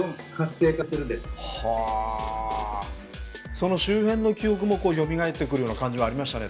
その周辺の記憶もよみがえってくるような感じはありましたね